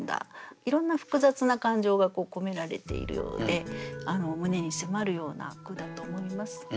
いろんな複雑な感情が込められているようで胸に迫るような句だと思います。